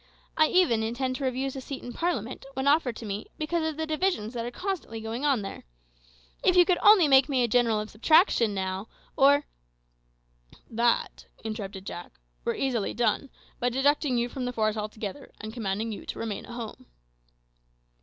I even intend to refuse a seat in parliament, when offered to me, because of the divisions that are constantly going on there. If you could only make me a general of subtraction now, or " "That," interrupted Jack, "were easily done, by deducting you from the force altogether, and commanding you to remain at home."